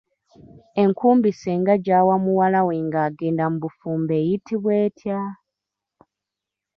Enkumbi ssenga gyawa muwala we ng'agenda mu bufumbo eyitibwa etya?